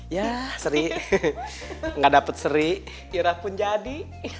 ya seri nggak dapet seri irah pun jadi